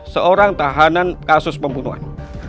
seorang tahanan kasus pembunuhan